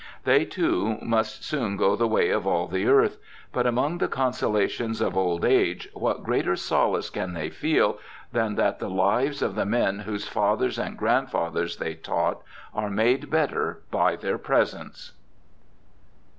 They, too, must soon go the way of all the earth ; but among the consolations of old age what greater solace can they feel than that the lives of the men whose fathers and grandfathers they taught are made better by their presence